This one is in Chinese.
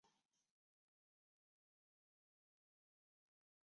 这种弹药比起当代的同类弹种有着较大的威力。